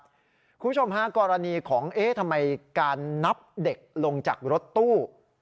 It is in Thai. คุณผู้ชมฮะกรณีของเอ๊ะทำไมการนับเด็กลงจากรถตู้